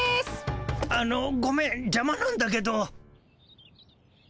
あのごめんじゃまなんだけど。